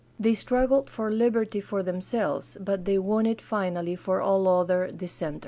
They struggled for liberty for themselves, but they won it finally for all other dissenters.